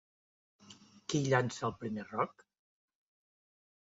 Qui llança el primer roc?